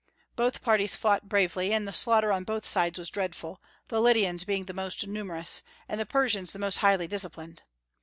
Both parties fought bravely, and the slaughter on both sides was dreadful, the Lydians being the most numerous, and the Persians the most highly disciplined.